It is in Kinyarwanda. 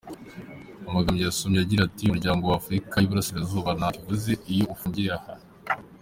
Amagambo yasomye agira ati “Umuryango w’afurika y’iburasirazuba ntacyo uvuze iyo ufungiye aha.